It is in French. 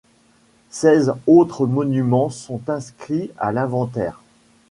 Seize autres monuments sont inscrits à l'inventaire.